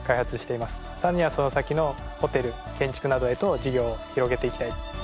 さらにはその先のホテル建築などへと事業を広げていきたい。